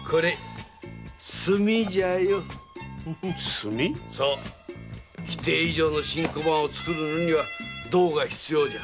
炭⁉規定以上の新小判をつくるのには銅が必要じゃ。